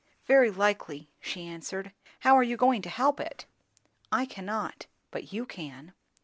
"Very likely," she answered. "How are you going to help it?" "I cannot; but you can."